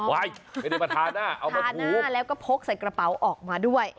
ไม่ได้มาทาหน้าเอามาทาหน้าแล้วก็พกใส่กระเป๋าออกมาด้วย